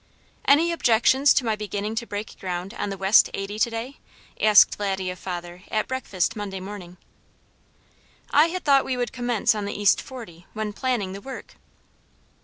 "Any objections to my beginning to break ground on the west eighty to day?" asked Laddie of father at breakfast Monday morning. "I had thought we would commence on the east forty, when planning the work."